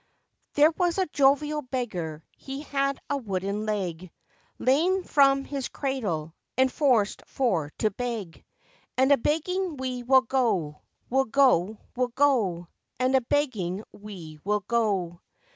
] THERE was a jovial beggar, He had a wooden leg, Lame from his cradle, And forced for to beg. And a begging we will go, we'll go, we'll go; And a begging we will go!